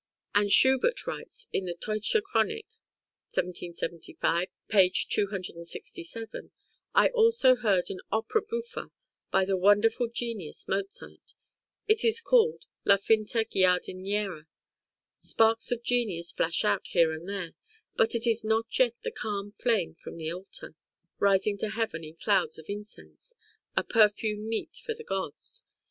" And Schubart writes in the "Teutsche Chronik" (1775, p. 267): "I also heard an opera buffa by the wonderful genius Mozart; it is called "La Finta Giardiniera." Sparks of genius flash out here and there, but it is not yet the calm flame from the altar, rising to heaven in clouds of incense a perfume meet for the gods.